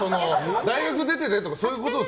大学出ててとかそういうことですか？